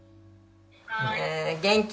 元気？